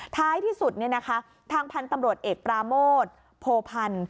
ท้ายที่สุดทางพันธุ์ตำรวจเอกปราโมทโพพันธ์